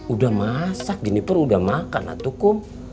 udah masak jeniper udah makan lah tuku